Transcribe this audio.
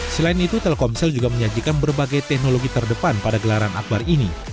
selain itu telkomsel juga menyajikan berbagai teknologi terdepan pada gelaran akbar ini